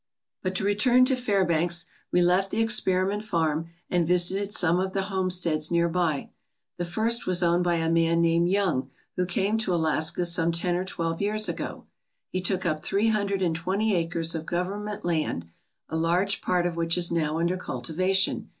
But to return to Fairbanks. We left the experiment farm and visited some of the homesteads near by. The first was owned by a man named Young, who came to Alaska some ten or twelve years ago. He took up three hundred and twenty acres of government land, a large part of which is now under cultivation.